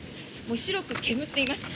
白く煙っています。